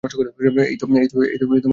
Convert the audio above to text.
এই তো গেল তোমার হাল।